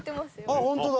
あっホントだ。